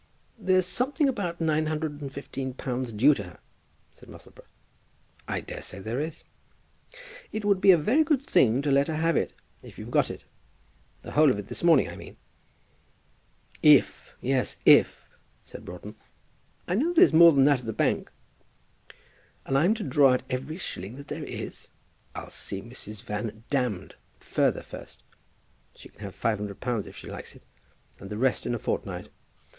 "There's something about nine hundred and fifteen pounds due to her," said Musselboro. "I daresay there is." "It would be a very good thing to let her have it if you've got it. The whole of it this morning, I mean." "If! yes, if!" said Broughton. "I know there's more than that at the bank." "And I'm to draw out every shilling that there is! I'll see Mother Van further first. She can have £500 if she likes it, and the rest in a fortnight.